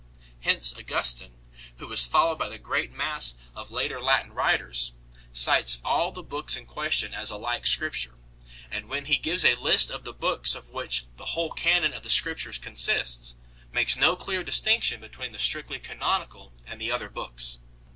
Hence Augustin, who is followed by the great mass of later Latin writers, cites all the books in question as alike Scripture, and, when he gives a list of the books of which " the whole canon of the Scriptures " consists 4 , makes no clear distinction between the strictly canonical and the other books.